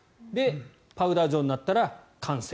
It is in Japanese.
パウダー状になったら完成。